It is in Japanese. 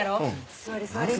座り座り。